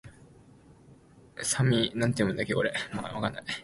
五月雨をあつめてやばしドナウ川